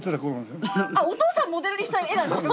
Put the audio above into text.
お父さんモデルにした絵なんですか？